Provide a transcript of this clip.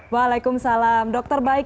waalaikumsalam dokter baik